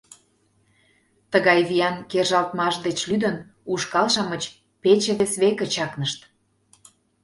Тыгай виян кержалтмаш деч лӱдын, ушкал-шамыч пече вес веке чакнышт.